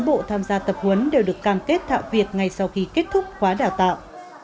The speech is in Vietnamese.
tất cả các cán bộ tham gia tập huấn đều được cam kết thạo việc ngay sau khi kết thúc khóa đào tạo